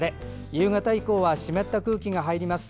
夕方以降は湿った空気が入ります。